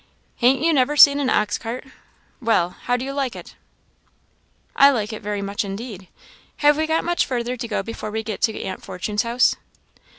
"Han't you never seen an ox cart! Well how do you like it?" "I like it very much indeed. Have we much further to go before we get to aunt Fortune's house?"